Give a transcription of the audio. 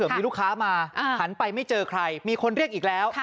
มีลูกค้ามาหันไปไม่เจอใครมีคนเรียกอีกแล้ว